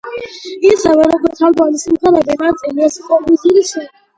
ისევე, როგორც ალბომის სიმღერების ნაწილი, ეს კომპოზიციაც შეიცავს სოულისა და გოსპელის ელემენტებს.